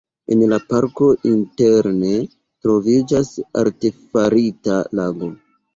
En la parko interne troviĝas artefarita lago.